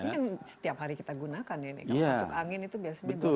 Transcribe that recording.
ini kan setiap hari kita gunakan ya masuk angin itu biasanya masuk minyak kayu putih